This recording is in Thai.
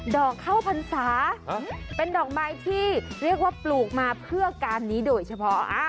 ดอกข้าวพรรษาเป็นดอกไม้ที่เรียกว่าปลูกมาเพื่อการนี้โดยเฉพาะ